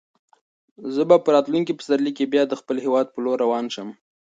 زه به په راتلونکي پسرلي کې بیا د خپل هیواد په لور روان شم.